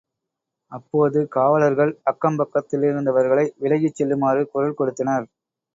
அப்போது காவலர்கள் அக்கம் பக்கத்திலிருந்தவர்களை விலகிச் செல்லுமாறு குரல் கொடுத்தனர்.